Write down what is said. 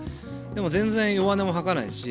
でも全然弱音も吐かないし。